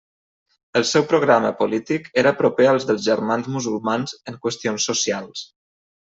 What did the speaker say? El seu programa polític era proper al dels Germans Musulmans en qüestions socials.